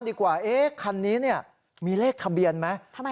ดีกว่าเอ๊ะคันนี้เนี้ยมีเลขทะเบียนไหมทำไม